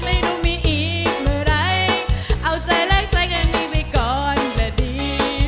ไม่รู้มีอีกเมื่อไหร่เอาใจแลกใจกันนี้ไปก่อนแบบนี้